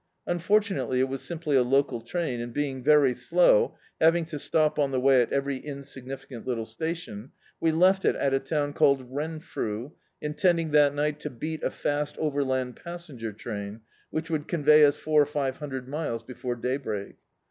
Unfortu nately it was simply a local train, and being very slow, having to stop on the way at every insignificant little station, we left it, at a town called Renfrew, intending that night to beat a fast overland pas senger train, which would convey us four or five hundred miles before daybreak.